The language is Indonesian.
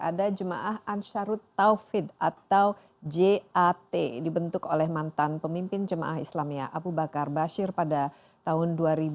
ada jemaah ansarut taufid atau jat dibentuk oleh mantan pemimpin jemaah islamia abu bakar bashir pada tahun dua ribu